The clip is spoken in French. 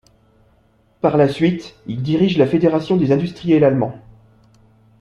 Par la suite, il dirige la Fédération des industriels allemands.